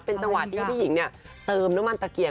เป็นจังหวะที่พี่หญิงเนี่ยเติมน้ำมันตะเกียบ